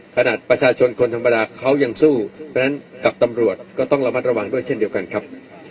ประชาชนคนธรรมดาเขายังสู้เพราะฉะนั้นกับตำรวจก็ต้องระมัดระวังด้วยเช่นเดียวกันครับ